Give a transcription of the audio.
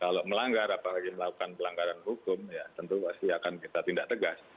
kalau melanggar apalagi melakukan pelanggaran hukum ya tentu pasti akan kita tindak tegas